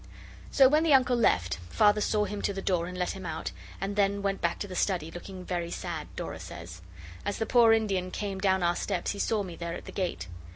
So when the Uncle left, Father saw him to the door and let him out, and then went back to the study, looking very sad, Dora says. As the poor Indian came down our steps he saw me there at the gate.